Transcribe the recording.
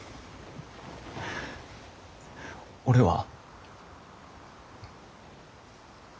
俺は。